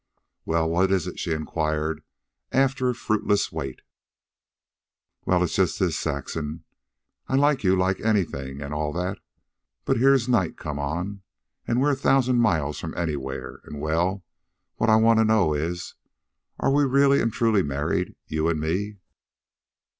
"Well, what is it?" she inquired, after a fruitless wait. "Well, it's just this, Saxon. I like you like anything an' all that, but here's night come on, an' we're a thousand miles from anywhere, and well, what I wanta know is: are we really an' truly married, you an' me?"